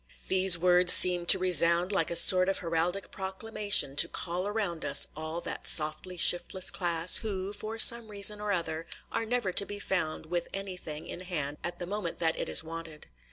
These words seemed to resound like a sort of heraldic proclamation to call around us all that softly shiftless class, who, for some reason or other, are never to be found with anything in hand at the moment that it is wanted.